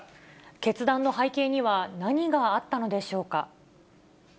決断の背景には、何があったのでしょうか。